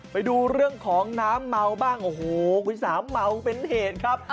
ไปดูเรื่องของน้ำเมาบ้างโอ้โหคุณสาเมาเป็นเหตุครับ